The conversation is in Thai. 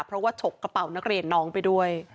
เพราะว่าฉกกระเป๋านักเรียนน้องไปด้วย